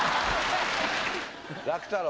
楽太郎。